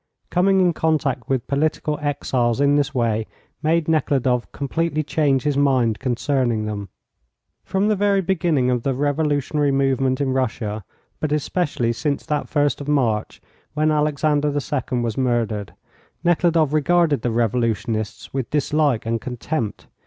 Coming in contact with political exiles in this way made Nekhludoff completely change his mind concerning them. From the very beginning of the revolutionary movement in Russia, but especially since that first of March, when Alexander II was murdered, Nekhludoff regarded the revolutionists with dislike and contempt.